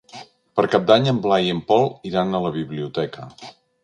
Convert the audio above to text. Per Cap d'Any en Blai i en Pol iran a la biblioteca.